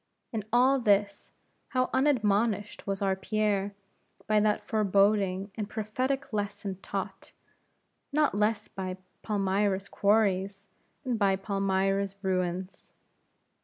In all this, how unadmonished was our Pierre by that foreboding and prophetic lesson taught, not less by Palmyra's quarries, than by Palmyra's ruins.